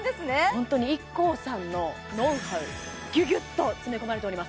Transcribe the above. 本当にＩＫＫＯさんのノウハウギュギュッと詰め込まれております